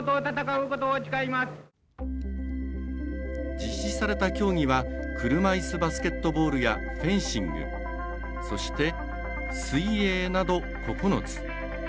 実施された競技は車いすバスケットボールやフェンシングそして、水泳など９つ。